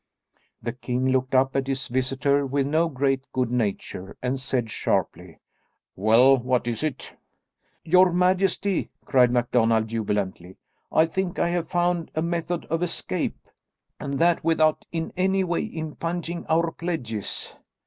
The king looked up at his visitor with no great good nature, and said sharply, "Well, what is it?" "Your majesty," cried MacDonald jubilantly, "I think I have found a method of escape, and that without in any way impugning our pledges."